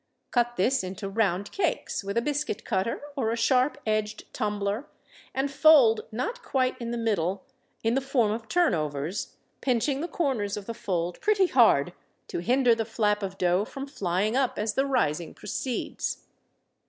Cut this into round cakes with a biscuit cutter or a sharp edged tumbler and fold, not quite in the middle, in the form of turnovers, pinching the corners of the fold pretty hard to hinder the flap of dough from flying up as the rising proceeds.